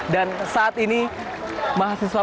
dan saat ini mahasiswa